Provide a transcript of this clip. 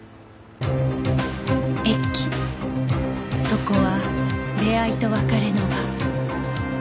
そこは出会いと別れの場